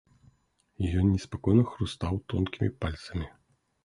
Ён неспакойна хрустаў тонкімі пальцамі.